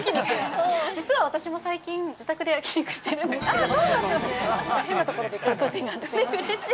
実は私も最近、自宅で焼肉してるんですけど。